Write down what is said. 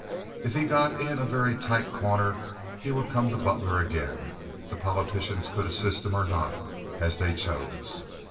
If he got in a very tight corner he would come to Butler again—the politicians could assist him or not, as they chose.